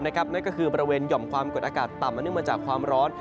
นั่นก็คือบริเวณหย่อมความกดอากาศต่ำมาเนื่องมาจากความร้อน